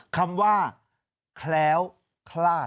คำว่าแคล้วคลาด